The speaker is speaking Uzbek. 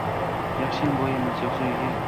Yaxshiyam, boy emas… Yo’qsa, uyiga